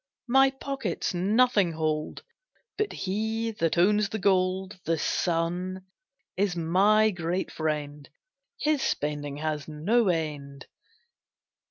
My pockets nothing hold, But he that owns the gold, The Sun, is my great friend His spending has no end.